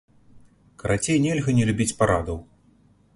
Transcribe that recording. Карацей, нельга не любіць парадаў.